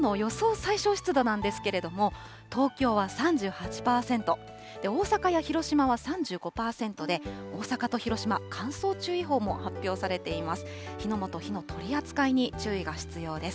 最小湿度なんですけれども、東京は３８％、大阪や広島は３５％で、大阪と広島、乾燥注意報も発表されています。